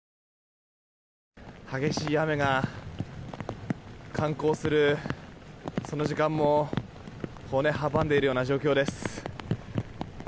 激しい雨が観光するその時間も阻んでいる状況です。